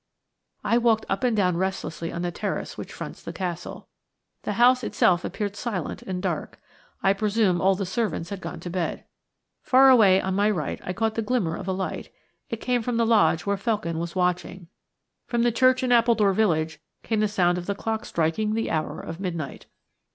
I walked up and down restlessly on the terrace which fronts the Castle. The house itself appeared silent and dark: I presume all the servants had gone to bed. Far away on my right I caught the glimmer of a light. It came from the lodge where Felkin was watching. From the church in Appledore village came the sound of the clock striking the hour of midnight.